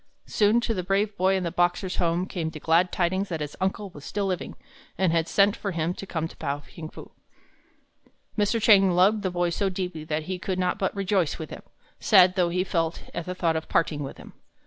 Soon to the brave boy in the Boxer's home came the glad tidings that his uncle was still living, and had sent for him to come to Pao ting fu. Mr. Chang loved the boy so deeply that he could not but rejoice with him, sad though he felt at the thought of parting with him.